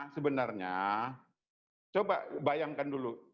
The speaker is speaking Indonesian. sebenarnya coba bayangkan dulu